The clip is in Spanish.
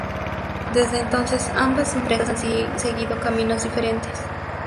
Desde entonces ambas empresas han seguido caminos diferentes..